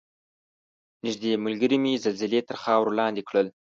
نږدې ملګرې مې زلزلې تر خاورو لاندې کړل.